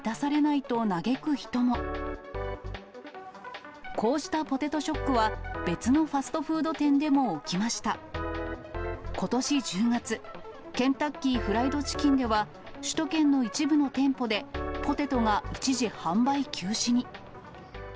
ことし１０月、ケンタッキーフライドチキンでは、首都圏の一部の店舗で、ポテトが一時販売休止に。